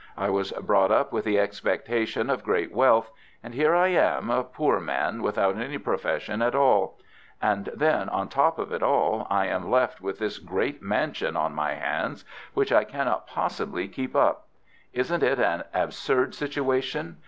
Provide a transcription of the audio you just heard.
I was brought up with the expectation of great wealth; and here I am, a poor man, without any profession at all. And then, on the top of it all, I am left with this great mansion on my hands, which I cannot possibly keep up. Isn't it an absurd situation?